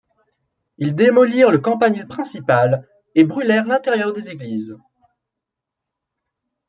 Ils démolirent le campanile principal et brûlèrent l'intérieur des églises.